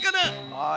はい。